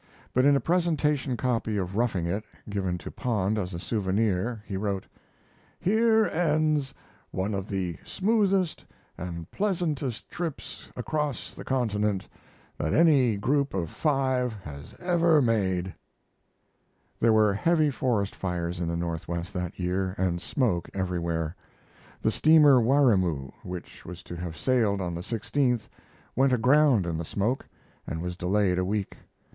But in a presentation copy of 'Roughing It', given to Pond as a souvenir, he wrote: "Here ends one of the smoothest and pleasantest trips across the continent that any group of five has ever made." There were heavy forest fires in the Northwest that year, and smoke everywhere. The steamer Waryimoo, which was to have sailed on the 16th, went aground in the smoke, and was delayed a week.